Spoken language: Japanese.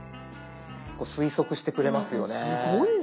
推測してくれますよね。